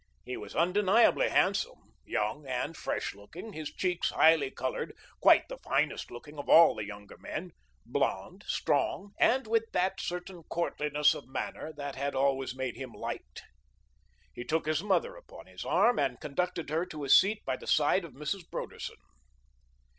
He was undeniably handsome, young and fresh looking, his cheeks highly coloured, quite the finest looking of all the younger men; blond, strong, with that certain courtliness of manner that had always made him liked. He took his mother upon his arm and conducted her to a seat by the side of Mrs. Broderson.